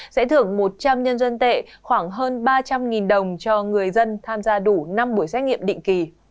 sẽ thưởng một trăm linh nhân dân tệ khoảng hơn ba trăm linh đồng cho người dân tham gia đủ năm buổi xét nghiệm định kỳ